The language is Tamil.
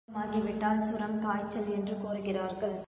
அதிகமாகி விட்டால் சுரம், காய்ச்சல் என்று கூறுகிறார்கள்.